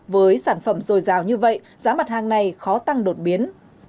với sản phẩm dồi dào như vậy giá mặt hàng này khó tăng đột biến